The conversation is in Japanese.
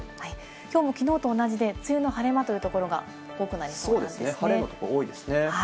きょうもきのうと同じで、梅雨の晴れ間というところが多くなりそうですね。